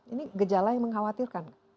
ini gejala yang mengkhawatirkan